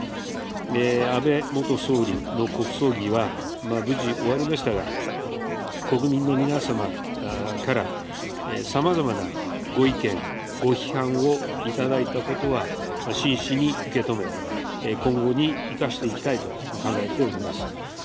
安倍元総理の国葬儀は無事終わりましたが、国民の皆様から、さまざまなご意見、ご批判を頂いたことは真摯に受け止め、今後に生かしていきたいと考えております。